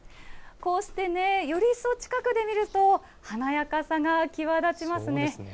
こうしてね、より一層近くで見ると、華やかさが際立ちますね。